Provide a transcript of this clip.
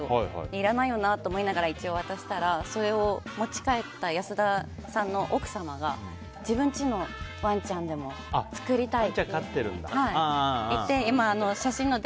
いらないよなと思いながら一応渡したらそれを持ち帰った安田さんの奥様が自分のうちのワンちゃんでも作りたいと言って。